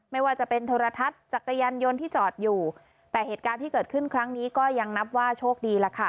ไม่ว่าจะเป็นโทรทัศน์จักรยานยนต์ที่จอดอยู่แต่เหตุการณ์ที่เกิดขึ้นครั้งนี้ก็ยังนับว่าโชคดีล่ะค่ะ